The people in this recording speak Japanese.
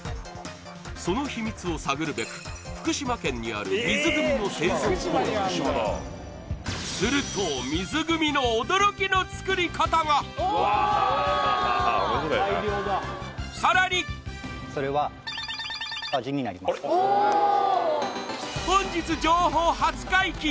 その秘密を探るべく福島県にある水グミの製造工場へすると水グミのおおーわあ面白いなさらにそれは本日情報初解禁